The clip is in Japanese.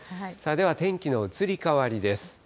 では天気の移り変わりです。